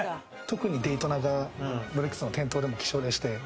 特にデイトナがロレックスの店頭でも希少でして。